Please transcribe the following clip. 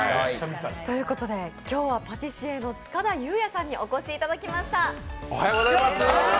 今日はパティシエの塚田悠也さんにお越しいただきました。